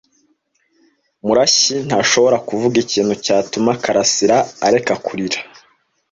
Murashyi ntashobora kuvuga ikintu cyatuma Kalarisa areka kurira.